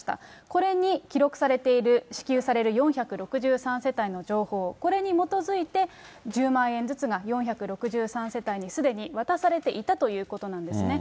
これに記録されている支給される４６３世帯の情報、これに基づいて、１０万円ずつが４６３世帯にすでに渡されていたということなんですね。